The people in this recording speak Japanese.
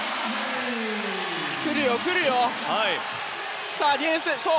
来るよ、来るよ。